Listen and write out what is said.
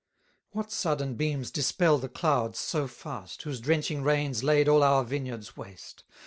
What sudden beams dispel the clouds so fast, Whose drenching rains laid all our vineyards waste?